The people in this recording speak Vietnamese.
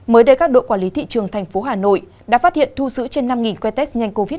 mới đây các đội quản lý thị trường thành phố hà nội đã phát hiện thu sử trên năm que test nhanh covid một mươi chín